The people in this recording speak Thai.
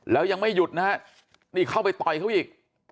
แล้วยังไม่หยุดนะฮะนี่เข้าไปต่อยเขาอีก